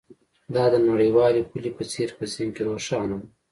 دا د نړیوالې پولې په څیر په ذهن کې روښانه ده